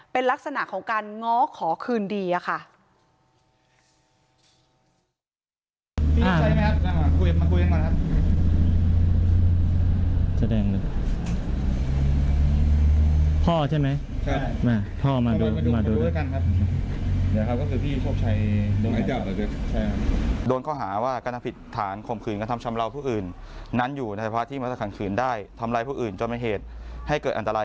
เป็นลักษณะของการง้อขอคืนดีค่ะ